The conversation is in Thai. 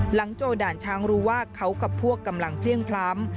โจด่านช้างรู้ว่าเขากับพวกกำลังเพลี่ยงพล้ำ